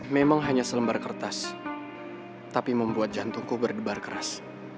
memang hanya selembar kertas tapi membuat jantungku berdebar keras